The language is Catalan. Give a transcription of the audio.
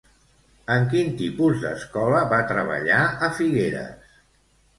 En quin tipus d'escola va treballar a Figueres?